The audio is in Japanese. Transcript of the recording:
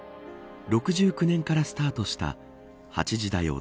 ６９年からスタートした８時だョ！